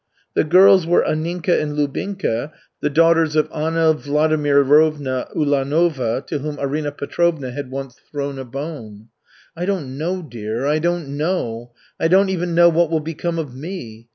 The girls were Anninka and Lubinka, the daughters of Anna Vladimirovna Ulanova, to whom Arina Petrovna had once "thrown a bone." "I don't know, dear, I don't know. I don't even know what will become of me.